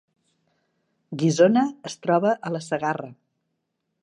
Guissona es troba a la Segarra